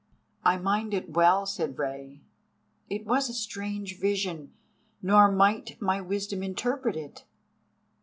"I mind it well," said Rei; "it was a strange vision, nor might my wisdom interpret it."